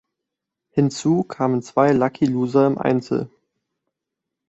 Hinzu kamen zwei Lucky Loser im Einzel.